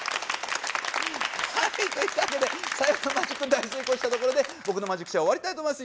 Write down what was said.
はいといったわけで最後のマジック大成功したところで僕のマジックショーは終わりたいと思います。